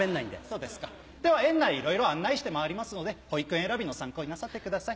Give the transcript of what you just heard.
そうですかでは園内いろいろ案内して回りますので保育園選びの参考になさってください。